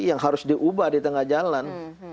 yang harus diubah di tengah jalan